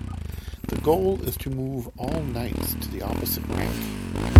The goal is to move all knights to the opposite rank.